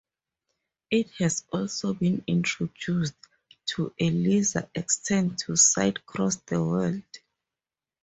It has also been introduced, to a lesser extent, to sites across the world.